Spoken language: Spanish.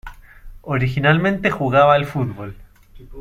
Originalmente jugaba al fútbol.